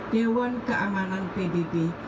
dewan keamanan pbb